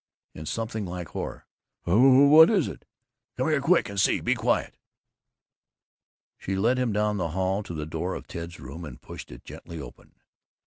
in something like horror. "Wha wha what is it?" "Come here quick and see. Be quiet!" She led him down the hall to the door of Ted's room and pushed it gently open.